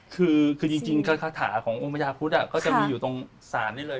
คือจริงคาถาขององค์พญาพุทธก็จะมีอยู่ตรงศาลนี้เลย